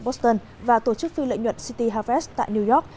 boston và tổ chức phi lợi nhuận city harvest tại new york